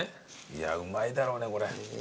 いやうまいだろうねこれ。